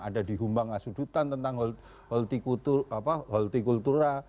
ada di humbang asudutan tentang holti kultura